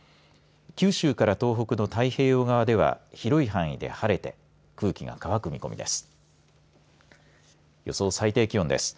九州から東北の太平洋側では広い範囲で晴れて空気が乾く見込みです。